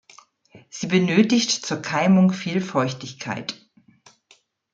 Sie benötigt zur Keimung viel Feuchtigkeit.